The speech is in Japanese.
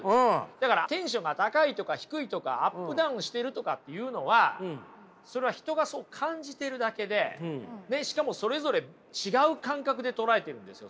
だからテンションが高いとか低いとかアップダウンしてるとかっていうのはそれは人がそう感じているだけでしかもそれぞれ違う感覚で捉えているんですよ